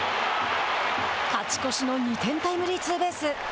勝ち越しの２点タイムリーツーベース。